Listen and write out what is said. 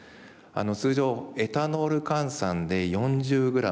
通常エタノール換算で４０ｇ。